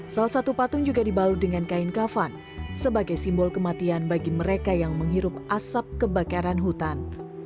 salah satu patung juga dibalut dengan kain kafan sebagai simbol kematian bagi mereka yang menghirup asap kebakaran hutan